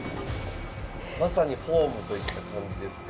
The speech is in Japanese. まさにホームといった感じですが。